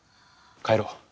帰ろう。